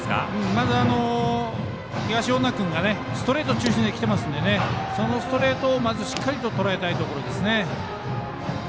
まず東恩納君がストレート中心できてますのでそのストレートをまずしっかりととらえたいところですね。